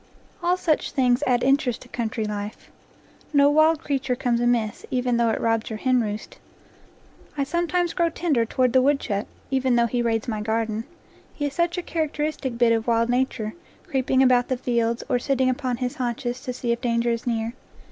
All such things add interest to country life. No wild creature comes amiss, even though it rob your henroost. I sometimes grow tender toward the wood chuck, even though he raids my garden; he is such a characteristic bit of wild nature, creeping about the fields, or sitting upon his haunches to see if danger is near.